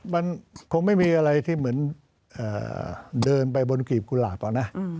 มันคงไม่มีอะไรที่เหมือนเดินไปบนกรีบกุหลาบอะนะ